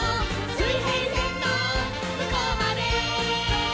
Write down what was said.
「水平線のむこうまで」